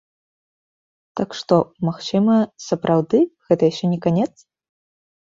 Так што, магчыма, сапраўды, гэта яшчэ не канец?